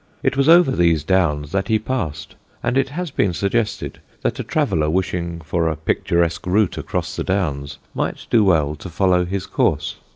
It was over these Downs that he passed; and it has been suggested that a traveller wishing for a picturesque route across the Downs might do well to follow his course.